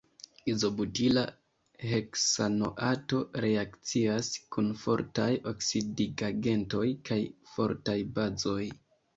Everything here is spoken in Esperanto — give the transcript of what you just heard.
Izobutila heksanoato reakcias kun fortaj oksidigagentoj kaj fortaj bazoj.